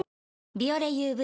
「ビオレＵＶ」